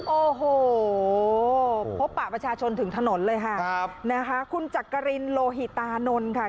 โอ้โหพบปะประชาชนถึงถนนเลยค่ะครับนะคะคุณจักรินโลหิตตานนท์ค่ะ